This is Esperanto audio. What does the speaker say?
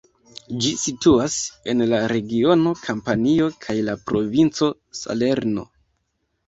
Ĝi situas en la regiono Kampanio kaj la provinco Salerno.